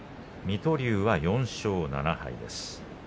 水戸龍は４勝７敗です。